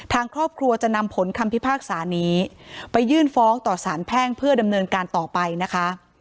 ทางครอบครัวจะนำผลคำพิพากษานี้ไปยื่นฟ้องต่อสารแพ่งเพื่อดำเนินการต่อไปนะคะ